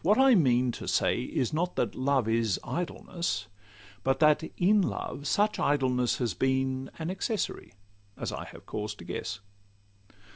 What I mean To say is, not that love is idleness, But that in love such idleness has been An accessory, as I have cause to guess.